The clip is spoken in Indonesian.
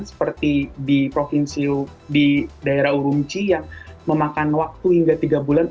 seperti di provinsi di daerah urumchi yang memakan waktu hingga tiga bulan